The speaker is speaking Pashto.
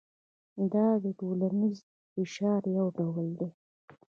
دا د ټولنیز فشار یو ډول دی.